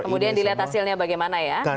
kemudian dilihat hasilnya bagaimana ya